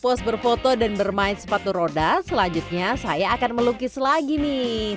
puas berfoto dan bermain sepatu roda selanjutnya saya akan melukis lagi nih